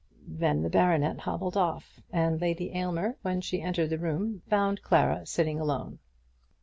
Then the baronet hobbled off, and Lady Aylmer, when she entered the room, found Clara sitting alone.